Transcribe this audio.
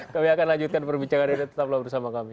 kami akan lanjutkan perbincangan ini tetap lah bersama kami